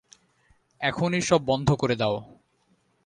এখনই সব বন্ধ করে দাও।